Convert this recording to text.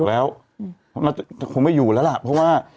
ออกแล้วคงไม่อยู่แล้วแหละเพราะว่า